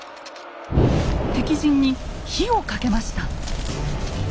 敵陣に火をかけました。